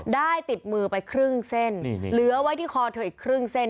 ได้ติดมือไปครึ่งเส้นเหลือไว้ที่คอเธออีกครึ่งเส้น